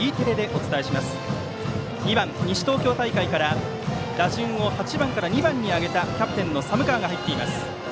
打席には２番、西東京大会から打順を８番から２番に上げたキャプテンの寒川が入っています。